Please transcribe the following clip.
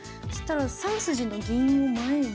３筋の銀を前に。